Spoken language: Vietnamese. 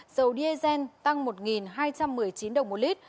dầu diesel tăng một hai trăm một mươi chín đồng một lít